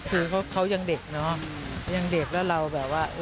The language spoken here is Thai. คือเขายังเด็กแล้วเราแบบว่า